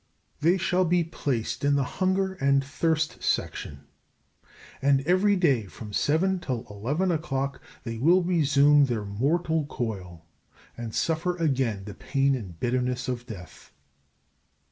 They shall be placed in the Hunger and Thirst Section, and every day from 7 till 11 o'clock they will resume their mortal coil, and suffer again the pain and bitterness of death.